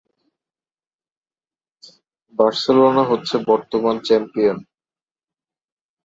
Barcelona হচ্ছে বর্তমান champion.